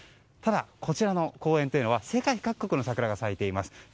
ただ、こちらの公園というのは世界各国の桜が咲いています。